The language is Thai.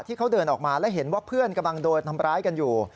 ที่เขาเดินออกมาแล้วเห็นว่าเพื่อนกำลังโดนทำร้ายกันอยู่